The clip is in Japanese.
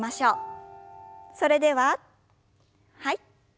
それでははい。